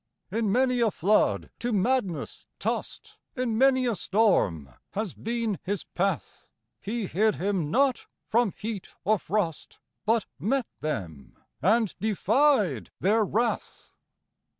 In many a flood to madness tossed, In many a storm has been his path; He hid him not from heat or frost, But met them, and defied their wrath.